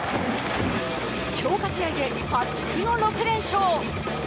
強化試合で破竹の６連勝。